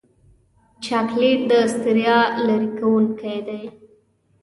چاکلېټ د ستړیا لرې کوونکی دی.